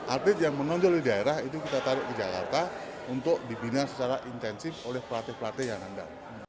atlet yang menonjol di daerah itu kita tarik ke jakarta untuk dibina secara intensif oleh pelatih pelatih yang ada